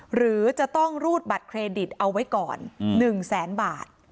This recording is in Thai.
หรือจะต้องรูดบัตรเครดิตเอาไว้ก่อน๑แสนบาท